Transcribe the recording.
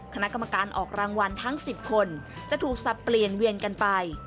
คณะกรรมการออกรางวัลทั้ง๑๐คนจะถูกสับเปลี่ยนเวียนกันไป